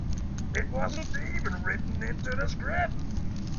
It wasn't even written into the scrip.